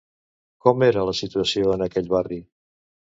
Com era la situació en aquell barri?